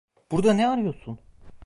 Burada ne arıyorsun?